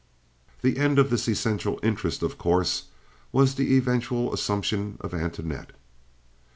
The end of this essential interest, of course, was the eventual assumption of Antoinette.